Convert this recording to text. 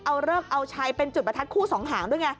เอาเลิกเอาชัยเป็นจุดประทัดคู่สองหางด้วยไง